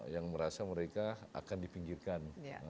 yang merasa mereka akan dipinggirkan